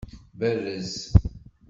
Berrez.